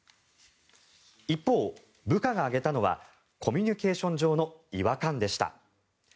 一方、部下が挙げたのはコミュニケーション上の違和感でした。